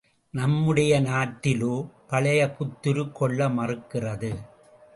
நம்முடைய நாட்டிலோ பழைமை புத்துருக் கொள்ள மறுக்கிறது.